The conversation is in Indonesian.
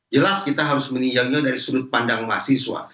jelas kita harus meninggalnya dari sudut pandang mahasiswa